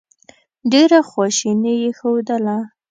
ډېره خواشیني یې ښودله.